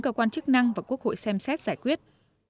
cơ quan chức năng và quốc hội xem xét giải quyết